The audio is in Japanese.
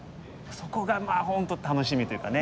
そこがまあ本当楽しみというかね。